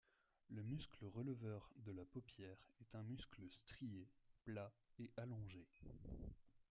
Le muscle releveur de la paupière est un muscle strié, plat et allongé.